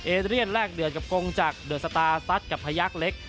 เอดเรียนแรกเดือนกับโกงจักรเดินสตาร์สัตว์กับพยักษ์เล็ก